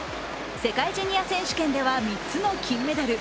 世界ジュニア選手権では３つの金メダル。